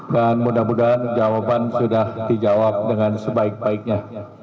dan mudah mudahan jawaban sudah dijawab dengan sebaik baiknya